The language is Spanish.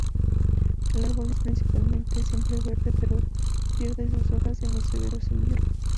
El árbol es principalmente siempreverde pero pierde sus hojas en los severos inviernos.